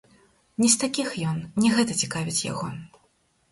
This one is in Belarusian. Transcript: Не з такіх ён, не гэта цікавіць яго.